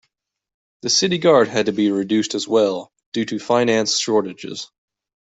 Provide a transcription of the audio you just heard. The city guard had to be reduced as well due to finance shortages.